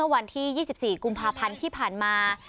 วันที่๒๔กุมภาพันธ์ที่ผ่านมา